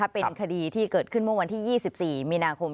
เป็นคดีที่เกิดขึ้นเมื่อวันที่๒๔มีนาคม